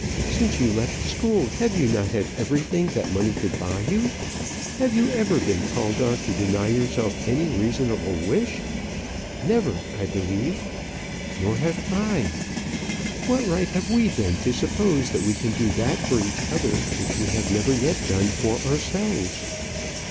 Since you left school, have you not had everything that money could buy you? Have you ever been called on to deny yourself any reasonable wish? Never, I believe. Nor have I. What right have we then to suppose that we can do that for each other which we have never yet done for ourselves?